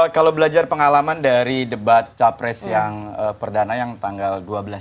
kalau belajar pengalaman dari debat cawapres yang perdana yang tanggal dua belas